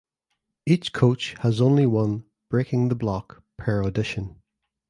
Each coach has only one "Breaking The Block" per audition.